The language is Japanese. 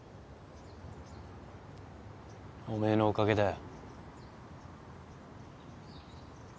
おめえのおかげだよ。